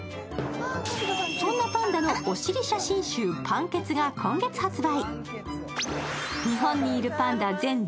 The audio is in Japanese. そんなパンダのお尻写真集「パンけつ」が今月発売。